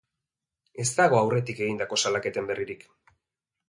Ez dago aurretik egindako salaketen berririk.